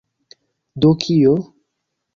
Do kio?!